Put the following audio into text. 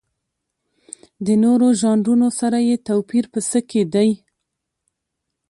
د نورو ژانرونو سره یې توپیر په څه کې دی؟